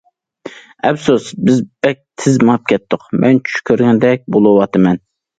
ئەپسۇس، بىز بەك تېز مېڭىپ كەتتۇق، مەن چۈش كۆرگەندەك بولۇۋاتىمەن.